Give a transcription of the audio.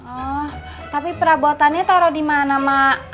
oh tapi perabotannya taruh dimana emak